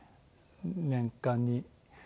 年間に。